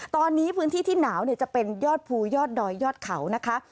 ตอนนี้พื้นที่ที่หนาวจะเป็นยอดภูยอดดอยยอดเขานะคะ